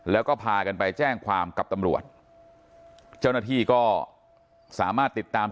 แล้วก็พากันไปแจ้งความกับตำรวจเจ้าหน้าที่ก็สามารถติดตาม